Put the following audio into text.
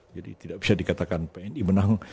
jadi tidak bisa dikatakan pni menang